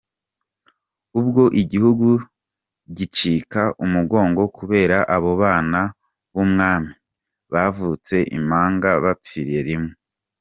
Ubwo igihugu gicika umugongo kubera abo bana b’umwami bavutse impanga bapfiriye rimwe.